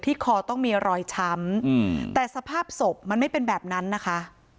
คอต้องมีรอยช้ำแต่สภาพศพมันไม่เป็นแบบนั้นนะคะ